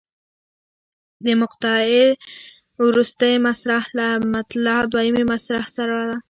د مقطع وروستۍ مصرع له مطلع دویمې مصرع سره.